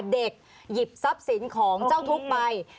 หยิบทรัพย์สินของเจ้าทุกข์ไป